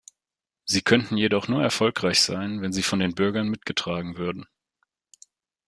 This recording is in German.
Sie könnten jedoch nur erfolgreich sein, wenn sie von den Bürgern mitgetragen würden.